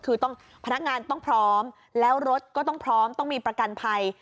คือต้องพนักงานต้องพร้อมแล้วรถก็ต้องพร้อมต้องมีประกันภัย